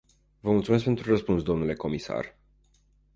Vă mulțumesc pentru răspuns, domnule comisar.